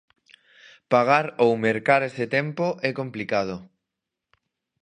Pagar ou mercar ese tempo é complicado.